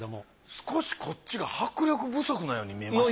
少しこっちが迫力不足のように見えました。